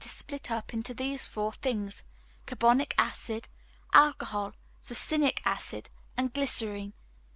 is split up into these four things, carbonic acid, alcohol, succinic acid, and glycerine.